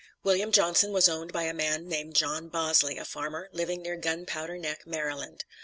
William Johnson was owned by a man named John Bosley, a farmer, living near Gun Powder Neck, Maryland.